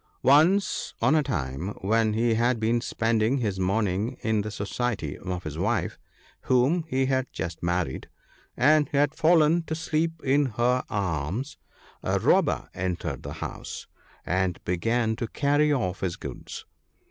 Once on a time, when he had been spending his morning in the society of his wife, whom he had just married, and had fallen to sleep in her arms, a robber entered the house, and began to carry off his goods.